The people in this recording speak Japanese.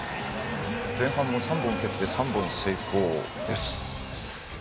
前半３本蹴って、３本成功です。